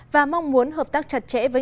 và mong muốn hợp tác chặt chẽ với